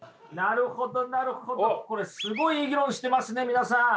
これすごいいい議論してますね皆さん。